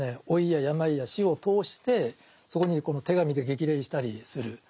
老いや病や死を通してそこにこの手紙で激励したりする。